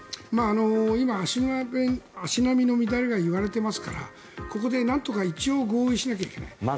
今、足並みの乱れが言われていますからここでなんとか一応合意しないといけない。